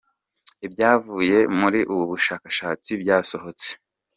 Ibyavuye muri ubu bushakashatsi byasohotse